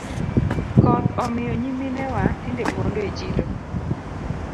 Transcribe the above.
Koth omiyo nyiminewa tinde mondo e chiro.